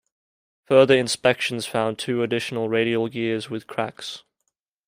Further inspections found two additional radial gears with cracks.